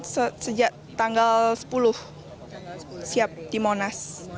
sejak tanggal sepuluh siap di monas